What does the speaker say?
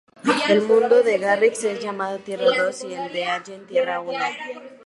El mundo de Garrick es llamado Tierra-Dos y el de Allen Tierra-Uno.